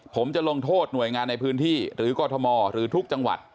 ผมจะลงโทษหน่วยงานในพื้นที่หรือกรทมหรือทุกจังหวัด